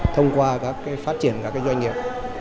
thông qua các phát triển các doanh nghiệp